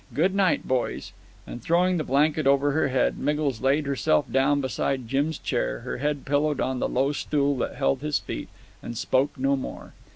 Good night, boys"; and, throwing the blanket over her head, Miggles laid herself down beside Jim's chair, her head pillowed on the low stool that held his feet, and spoke no more.